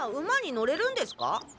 馬に乗れるんですか？